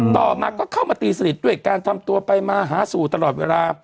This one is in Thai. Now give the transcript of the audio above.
ต่อมาก็เข้ามาตีสนิทด้วยการทำตัวไปมาหาสู่ตลอดเวลา